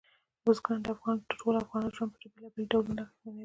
بزګان د ټولو افغانانو ژوند په بېلابېلو ډولونو اغېزمنوي.